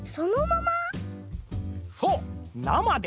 そうなまで。